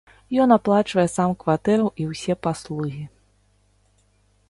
Ён аплачвае сам кватэру і ўсе паслугі.